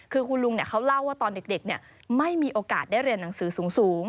คือคุณลุงเขาเล่าว่าตอนเด็กไม่มีโอกาสได้เรียนหนังสือสูง